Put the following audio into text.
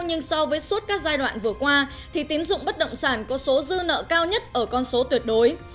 nhưng so với suốt các giai đoạn vừa qua thì tín dụng bất động sản có số dư nợ cao nhất ở con số tuyệt đối